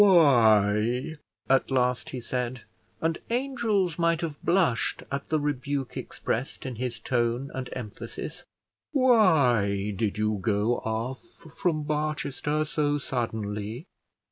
"Why," at last he said, and angels might have blushed at the rebuke expressed in his tone and emphasis, "Why did you go off from Barchester so suddenly?